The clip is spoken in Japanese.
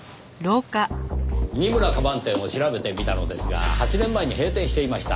二村カバン店を調べてみたのですが８年前に閉店していました。